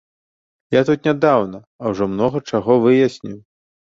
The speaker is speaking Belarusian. Я тут нядаўна, а ўжо многа чаго выясніў.